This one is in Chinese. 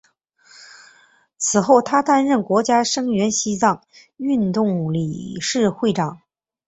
此后他担任国际声援西藏运动理事会长。